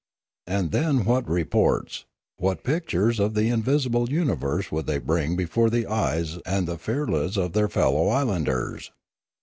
And then what reports, what pictures of the in visible universes would they bring before the eyes and the firlas of their fellow islanders!